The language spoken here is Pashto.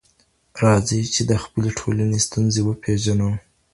راځئ چي د خپلي ټولني ستونزي وپېژنو.